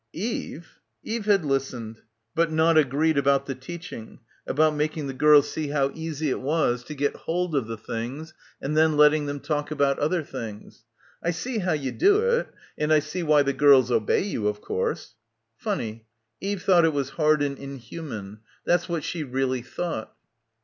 "Eve!" Eve had listened; but not agreed about the teaching, about making the girls see how easy it — 146 — BACKWATER was to get hold of the things and then letting them talk about other things. "I see how you do it, and I see why the girls obey you, of course." Funny. Eve thought it was hard and inhuman. That's what she really thought.